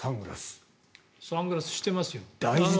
サングラス、してますよ。